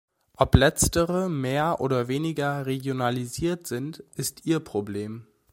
Ob letztere mehr oder weniger regionalisiert sind, ist ihr Problem.